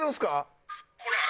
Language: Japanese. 「ほら。